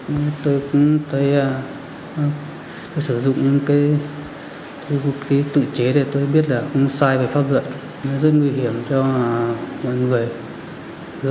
mọi người hãy xin hãy đăng ký kênh để ủng hộ cho